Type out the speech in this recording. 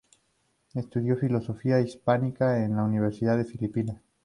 Estudió Filología Hispánica en la Universidad de Filipinas.